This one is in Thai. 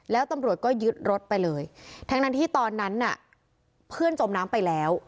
แล้วตำรวจก็ยึดรถไปเลยทั้งนั้นที่ตอนนั้นน่ะเพื่อนจมน้ำไปแล้ว